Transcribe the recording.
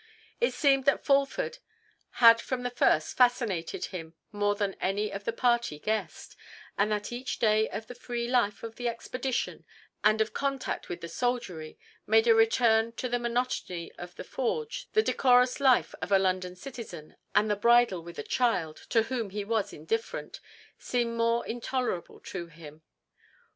It seemed that Fulford had from the first fascinated him more than any of the party guessed, and that each day of the free life of the expedition, and of contact with the soldiery, made a return to the monotony of the forge, the decorous life of a London citizen, and the bridal with a child, to whom he was indifferent, seem more intolerable to him.